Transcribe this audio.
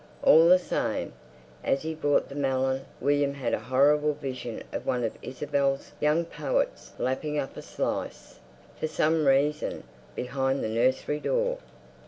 All the same, as he bought the melon William had a horrible vision of one of Isabel's young poets lapping up a slice, for some reason, behind the nursery door.